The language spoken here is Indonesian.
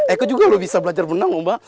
eiko juga bisa belajar berenang lho mbak